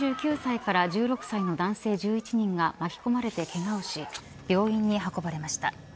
消防によりますと、この事故で４９歳から１６歳の男性１１人が巻き込まれて、けがをし病院に運ばれました。